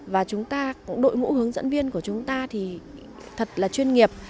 và đội ngũ hướng dẫn viên của chúng ta thì thật là chuyên nghiệp